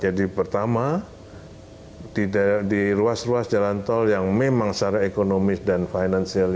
jadi pertama di ruas ruas jalan tol yang memang secara ekonomis dan finansial